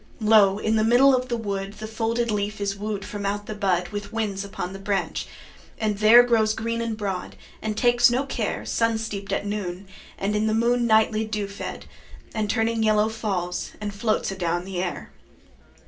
3 Lo! in the middle of the wood, The folded leaf is woo'd from out the bud With winds upon the branch, and there Grows green and broad, and takes no care, Sun steep'd at noon, and in the moon Nightly dew fed; and turning yellow Falls, and floats adown the air.